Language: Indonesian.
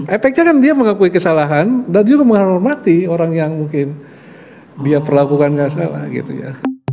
efeknya kan dia mengakui kesalahan dan dia menghormati orang yang mungkin dia perlakukan gak salah gitu ya